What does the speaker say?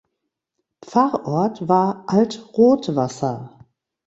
Pfarrort war Alt Rothwasser.